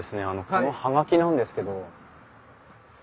この葉書なんですけど。